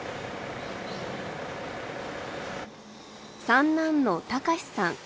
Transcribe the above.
三男の隆さん。